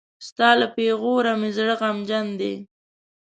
ستا له پېغوره مې زړه غمجن دی.